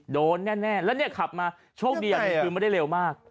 โดนแน่แล้วเนี่ยขับมาโชคดีคือไม่ได้เร็วมาก